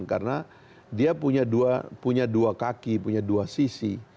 karena dia punya dua kaki punya dua sisi